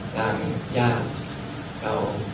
ทางหญ้าก็